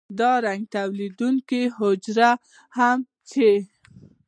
د رنګ تولیدونکي حجرې هم چې